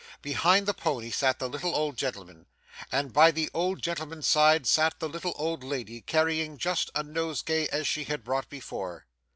Behind the pony sat the little old gentleman, and by the old gentleman's side sat the little old lady, carrying just such a nosegay as she had brought before.